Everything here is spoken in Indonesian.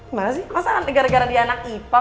gimana sih masa gara gara dia anak ipa